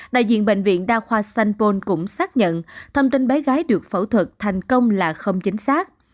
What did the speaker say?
đại diện bệnh viện đa khoa sanh pôn cũng xác nhận thông tin bé gái được phẫu thuật thành công là không chính xác